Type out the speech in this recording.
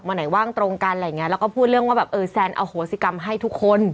วันไหนว่างตรงกันอะไรอย่างเงี้แล้วก็พูดเรื่องว่าแบบเออแซนอโหสิกรรมให้ทุกคน